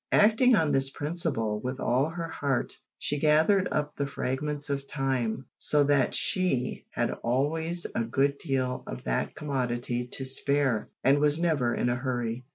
Acting on this principle with all her heart, she gathered up the fragments of time, so that she had always a good deal of that commodity to spare, and was never in a hurry.